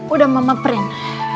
udah mama print